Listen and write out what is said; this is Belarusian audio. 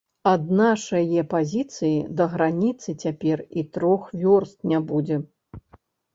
Ад нашае пазіцыі да граніцы цяпер і трох вёрст не будзе.